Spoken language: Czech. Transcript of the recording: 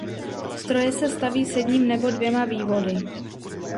Stroje se staví s jedním nebo dvěma vývody.